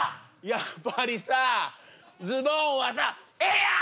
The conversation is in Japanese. やっぱりさズボンはさええやん！